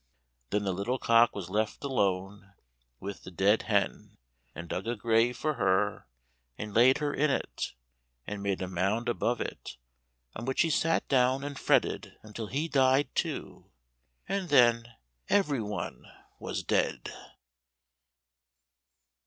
Then the little cock was left alone with the dead hen, and dug a grave for her and laid her in it, and made a mound above it, on which he sat down and fretted until he died too, and then every one was dead.